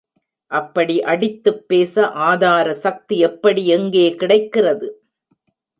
அப்படி அடித்துப் பேச ஆதார சக்தி எப்படி எங்கே கிடைக்கிறது?